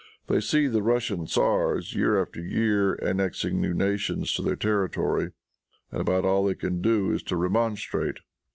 They see the Russian tzars, year after year, annexing new nations to their territory, and about all they can do is to remonstrate.